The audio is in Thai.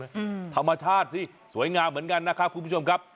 อืมธรรมชาติสิสวยงามเหมือนกันนะครับคุณผู้ชมครับ